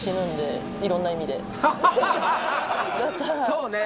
そうね